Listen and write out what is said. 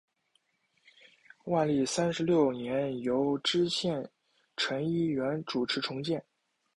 万历三十六年由知县陈一元主持重建。